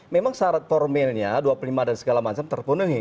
memang syarat formilnya dua puluh lima dan segala macam terpenuhi